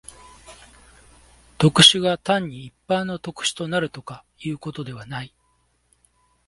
特殊が単に一般の特殊となるとかいうことではない。